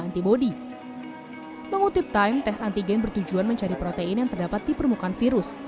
antibody mengutip time tes antigen bertujuan mencari protein yang terdapat di permukaan virus